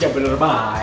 ya bener pak